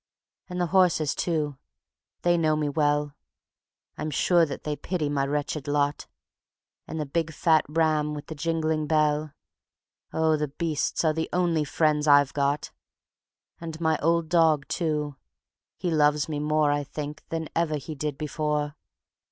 And the horses too, they know me well; I'm sure that they pity my wretched lot, And the big fat ram with the jingling bell ... Oh, the beasts are the only friends I've got. And my old dog, too, he loves me more, I think, than ever he did before.